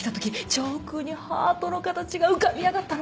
上空にハートの形が浮かび上がったの。